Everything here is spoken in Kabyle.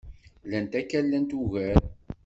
Llant akka llant ugar